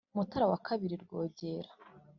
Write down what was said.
mutara wa kabiri rwogera